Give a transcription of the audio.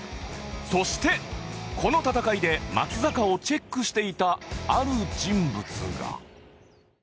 そしてこの戦いで松坂をチェックしていたある人物が